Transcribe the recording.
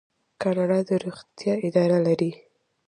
کاناډا د روغتیا اداره لري.